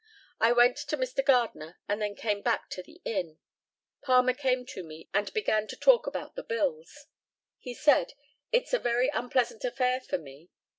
I went to Mr. Gardner, and then came back to the inn. Palmer came to me, and began to talk about the bills. He said, "It's a very unpleasant affair for me."